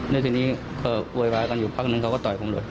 ในสักนี้เวลาวายกันอยู่พักนึงเขาก็ต่อยผมเลย